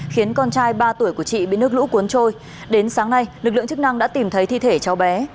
khiến con trai ba tuổi của chị bị nước lũ cuốn trôi đến sáng nay lực lượng chức năng đã tìm thấy thi thể cháu bé